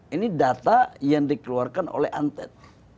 ini data yang dikeluarkan oleh antet